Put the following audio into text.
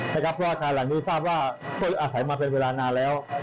เพราะอาคารหลังนี้ทราบว่าผู้อาศัยมาเป็นเวลานานแล้ว